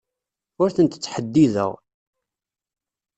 Ur tent-ttḥeddideɣ.